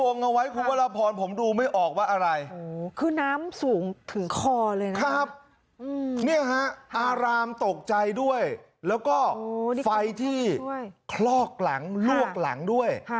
น้ำสูงถึงคอเลยนะครับอารามตกใจด้วยแล้วก็ไฟที่คลอกหลังลวกหลังด้วย